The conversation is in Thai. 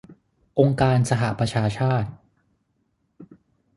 องค์การสหประชาชาติ